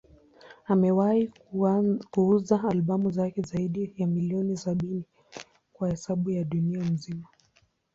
Amewahi kuuza albamu zake zaidi ya milioni sabini kwa hesabu ya dunia nzima.